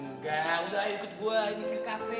enggak udah ikut gue ini ke cafe